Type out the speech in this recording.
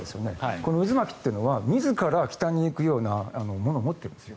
この渦巻きというのは自ら北に行くようなものを持っているんです。